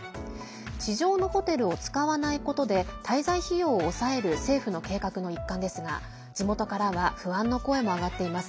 地上のホテルを使わないことで滞在費用を抑える政府の計画の一環ですが地元からは不安の声も上がっています。